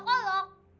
sebagai anak bajak laut